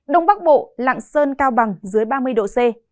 đông bắc bộ lạng sơn cao bằng dưới ba mươi độ c